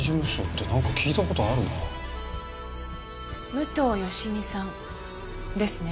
武藤良美さんですね？